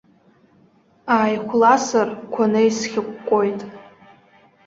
Ааихәласыр, қәаны исхьыкәкәоит.